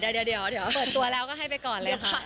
เปิดตัวแล้วก็ให้ไปก่อนเลยค่ะ